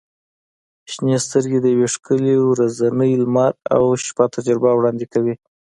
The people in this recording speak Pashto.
• شنې سترګې د یوې ښکلي ورځنۍ لمر او شپه تجربه وړاندې کوي.